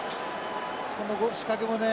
この仕掛けもね